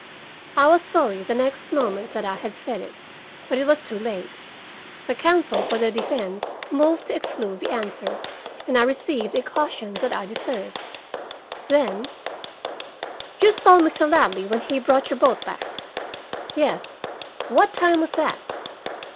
I was sorry the next moment that I had said it, but it was too late. The counsel for the defense moved to exclude the answer and I received a caution that I deserved. Then: "You saw Mr. Ladley when he brought your boat back?" "Yes." "What time was that?"